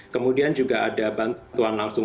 kemudian juga ada bantuan langsung